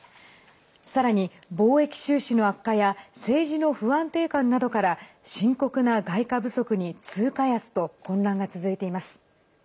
さらに、貿易収支の悪化や政治の不安定感などから深刻な外貨不足に通貨安と混乱が続いています。